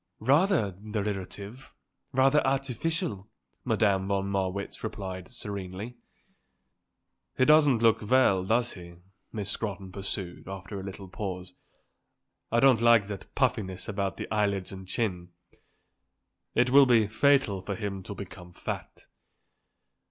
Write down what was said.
"Rather derivative; rather artificial," Madame von Marwitz replied serenely. "He doesn't look well, does he?" Miss Scrotton pursued, after a little pause. "I don't like that puffiness about the eyelids and chin. It will be fatal for him to become fat."